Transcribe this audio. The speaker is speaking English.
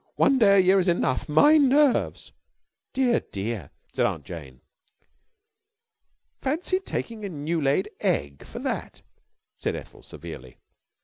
One day a year is enough.... My nerves!..." "Dear, dear!" said Aunt Jane. "Fancy taking a new laid egg for that," said Ethel severely.